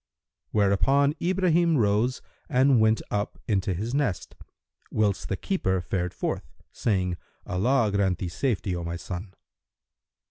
Hereupon Ibrahim rose and went up into his nest, whilst the keeper fared forth, saying, "Allah grant thee safety, O my son!"